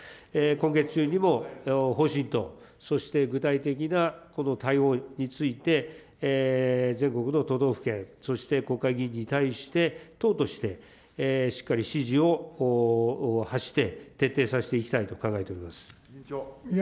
今月中にも方針と、そして具体的なこの対応について、全国の都道府県、そして国会議員に対して、党として、しっかり指示を発して、徹底させていきたいと考えております。